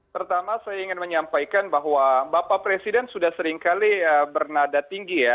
pertama saya ingin menyampaikan bahwa bapak presiden sudah seringkali bernada tinggi ya